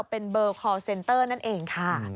๑๑๒๙เป็นเบอร์คอลเซนเตอร์นั่นเองค่ะ